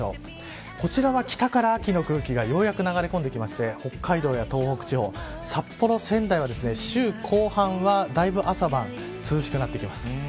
こちらは北から秋の空気がようやく流れ込んできて北海道や東北地方札幌、仙台は週の後半はだいぶ朝晩涼しくなってきます。